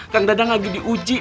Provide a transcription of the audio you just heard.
kang dadang lagi di ujung